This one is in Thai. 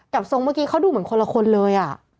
ทรงเมื่อกี้เขาดูเหมือนคนละคนเลย